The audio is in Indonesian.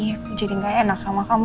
iya jadi gak enak sama kamu